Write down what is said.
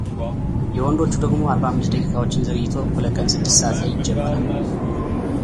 የወንዶቹ ደግሞ አርባምስት ደቂቃዎችን ዘግይቶ እኩለ ቀን ስድስት ሰዓት ላይ ይጀምራል።